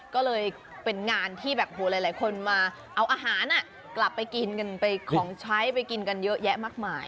ก็เลยเป็นงานที่แบบหลายคนมาเอาอาหารกลับไปกินกันไปของใช้ไปกินกันเยอะแยะมากมาย